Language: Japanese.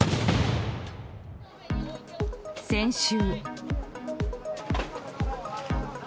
先週。